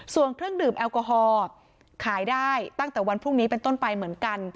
ส่วนเครื่องดื่มแอลกอฮอล์ขายได้ตั้งแต่วันพรุ่งนี้เป็นต้นไปเหมือนกัน